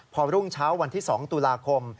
พอรุ่งเช้าวันที่๒ตุลาคม